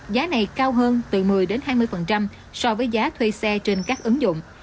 giá này cao hơn từ một mươi hai mươi so với giá thuê xe trên các ứng dụng